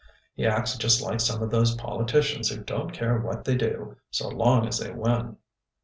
"He acts just like some of those politicians who don't care what they do so long as they win."